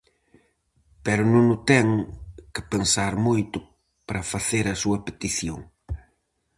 Pero non o ten que pensar moito para facer a súa petición.